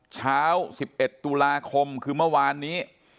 เช้า๑๑ตุลาคมคือเมื่อวานนี้